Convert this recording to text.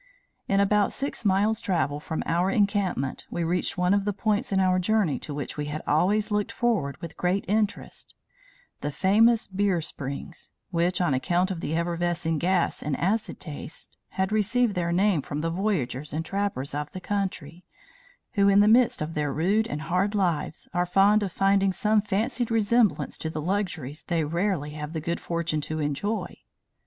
"In about six miles' travel from our encampment we reached one of the points in our journey to which we had always looked forward with great interest the famous Beer Springs, which, on account of the effervescing gas and acid taste, had received their name from the voyageurs and trappers of the country, who, in the midst of their rude and hard lives, are fond of finding some fancied resemblance to the luxuries they rarely have the good fortune to enjoy.